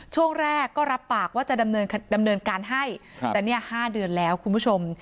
ช่วงแรกก็รับปากว่าจะดำเนินการให้แต่เนี่ย๕เดือนแล้วคุณผู้ชม